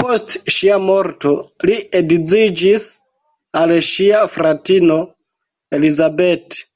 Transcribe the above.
Post ŝia morto li edziĝis al ŝia fratino Elizabeth.